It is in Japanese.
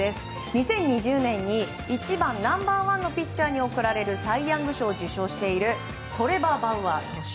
２０２０年にナンバー１のピッチャーに贈られるサイ・ヤング賞を受賞しているトレバー・バウアー投手。